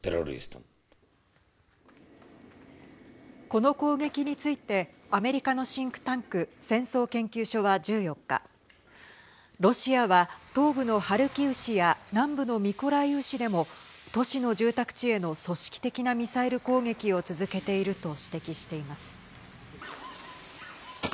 この攻撃についてアメリカのシンクタンク戦争研究所は１４日ロシアは、東部のハルキウ市や南部のミコライウ市でも都市の住宅地への組織的なミサイル攻撃を続けていると指摘しています。